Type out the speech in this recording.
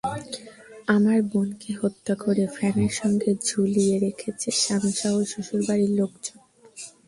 আমার বোনকে হত্যা করে ফ্যানের সঙ্গে ঝুলিয়ে রেখেছে স্বামীসহ শ্বশুরবাড়ির লোকজন।